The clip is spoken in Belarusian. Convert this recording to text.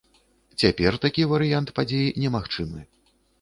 Цяпер такі варыянт падзей немагчымы.